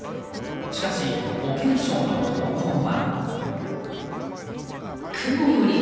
しかし、保健相の投稿は。